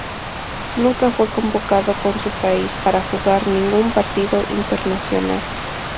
Nunca fue convocado con su país para jugar ningún partido internacional.